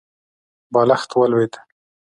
بالښت ولوېد.